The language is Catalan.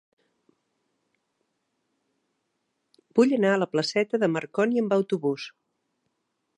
Vull anar a la placeta de Marconi amb autobús.